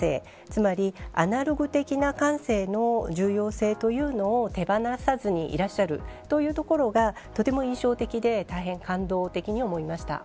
つまり、アナログ的な感性の重要性というのを手放さずにいらっしゃるというところがとても印象的で大変、感動的に思いました。